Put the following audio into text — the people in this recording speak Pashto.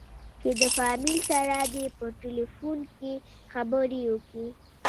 چې د فاميل سره دې په ټېلفون کښې خبرې وکې.